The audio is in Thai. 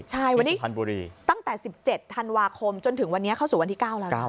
ใช่วันนี้สุพรรณบุรีตั้งแต่๑๗ธันวาคมจนถึงวันนี้เข้าสู่วันที่๙แล้วนะ